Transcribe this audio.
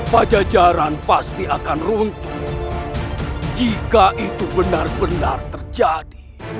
pajajaran pasti akan runtuh jika itu benar benar terjadi